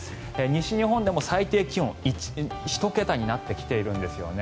西日本でも最低気温１桁になってきているんですね。